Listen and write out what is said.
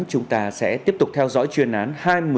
chúng ta sẽ tiếp tục theo dõi chuyên án